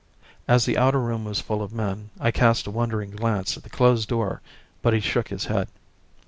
.." As the outer room was full of men I cast a wondering glance at the closed door but he shook his head.